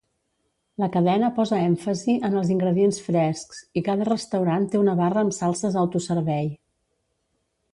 La cadena posa èmfasi en els ingredients frescs, i cada restaurant té un barra amb salses autoservei.